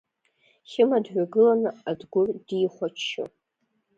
Хьыма дҩагыланы Адгәыр дихәаччо.